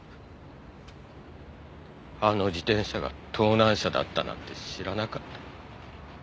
あの自転車が盗難車だったなんて知らなかった。